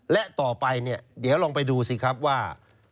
และต่อไปเนี่ยเดี๋ยวลองไปดูสิครับว่า